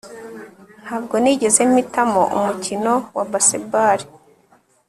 Ntabwo nigeze mpitamo umukino wa baseball